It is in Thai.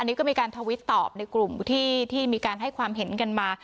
นี่ก็มีการทวิตตอบในกลุ่มที่มีการให้ความเห็นกันมา